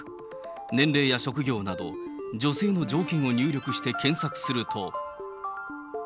年齢や職業など、女性の条件を入力して検索すると。